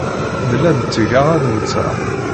Nella netteg aɣan-nteɣ.